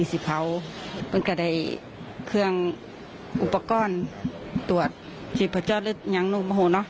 สิเผามันก็ได้เครื่องอุปกรณ์ตรวจที่พระเจ้าเลือดอย่างโน้มโฮเนอะ